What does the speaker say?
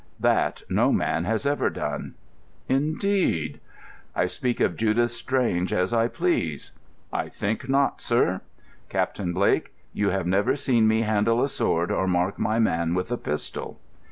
"That no man has ever done." "Indeed!" "I speak of Judith Strange as I please." "I think not, sir." "Captain Blake, you have never seen me handle a sword or mark my man with a pistol."